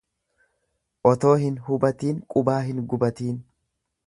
Otoo hin hubatiin qubaa hin gubatiin.